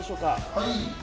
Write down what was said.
・はい。